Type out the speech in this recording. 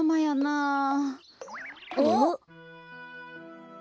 あっ！